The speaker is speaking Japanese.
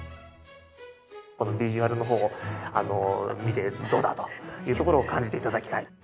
このビジュアルの方を見てどうだというところを感じて頂きたい。